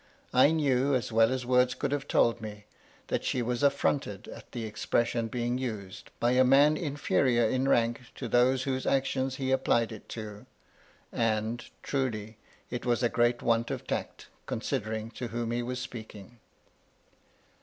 I knew, as well as words could have told me, that she was aflfronted at the expression being used by a man inferior in rank to those whose actions he applied it to, — and, truly, it was a great want of tact, conadering to whom he was speaking.